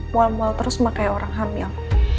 mual mual terus pake orang hamil